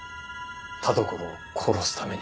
田所を殺すために。